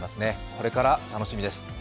これから楽しみです。